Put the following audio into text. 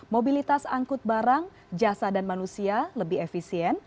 mobilitas angkut barang jasa dan manusia lebih efisien